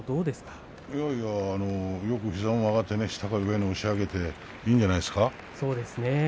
よく膝が曲がって下から押し上げていいんじゃないですか。